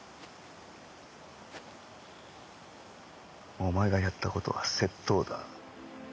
お前がやった事は窃盗だ。